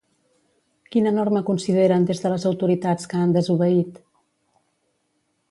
Quina norma consideren des de les autoritats que han desobeït?